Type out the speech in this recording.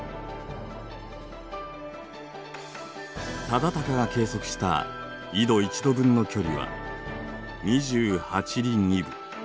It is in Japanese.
忠敬が計測した緯度１度分の距離は２８里２分。